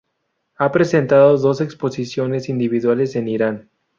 Ha presentado dos exposiciones individuales en Irán.